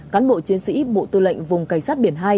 cán bộ chiến sĩ bộ tư lệnh vùng cảnh sát biển hai